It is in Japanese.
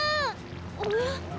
おや？